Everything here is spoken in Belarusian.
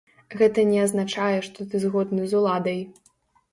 Гэта не азначае, што ты згодны з уладай.